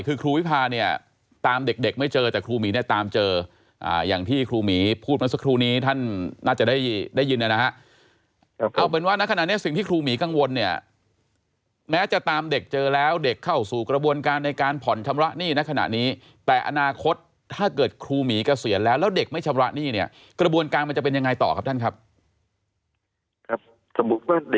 คือครูวิพานิดหน่อยคือครูวิพานิดหน่อยคือครูวิพานิดหน่อยคือครูวิพานิดหน่อยคือครูวิพานิดหน่อยคือครูวิพานิดหน่อยคือครูวิพานิดหน่อยคือครูวิพานิดหน่อยคือครูวิพานิดหน่อยคือครูวิพานิดหน่อยคือครูวิพานิดหน่อยคือครูวิพานิดหน่อยคือครูวิพานิดหน่อยคือครูวิพานิดหน่อยคือครูวิพานิดหน่อยคือครูวิพานิด